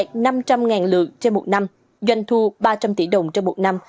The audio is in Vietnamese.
từ năm hai nghìn hai mươi bốn đạt năm trăm linh lượt trên một năm doanh thu ba trăm linh tỷ đồng trong một năm